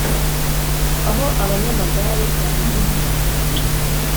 Aho abanyamagare bahingukira